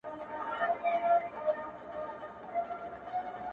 • د خپلي ښې خوږي ميني لالى ورځيني هـېر سـو ـ